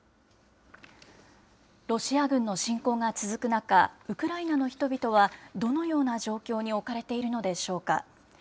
ロシア軍の侵攻が続く中、ウクライナの人々は、どのような状況に置かれているのでしょうか。